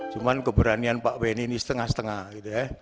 cuman keberanian pak bni ini setengah setengah gitu ya